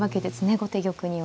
後手玉には。